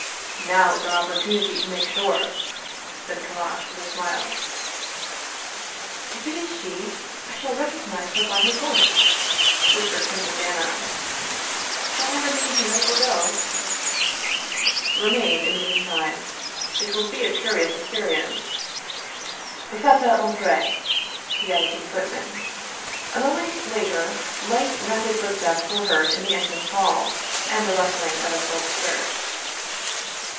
" Now is our opportunity to make sure," said Kallash, with a smile. " If it is she, I shall recognize her by her voice," whis pered Princess Anna. " Shall I remain here or go ?"" Remain in the meantime ; it will be a curious expe rience. Faites entrer! " he added to the footman. A moment later light, rapid footsteps were heard in the entrance hall, and the rustling of a silk skirt.